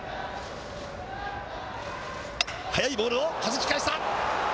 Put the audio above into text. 速いボールをはじき返した。